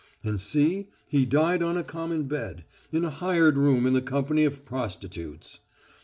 And see he died on a common bed, in a hired room in the company of prostitutes.